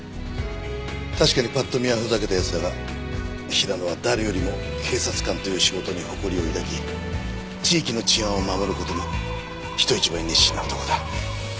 確かにパッと見はふざけた奴だが平野は誰よりも警察官という仕事に誇りを抱き地域の治安を守る事に人一倍熱心な男だ。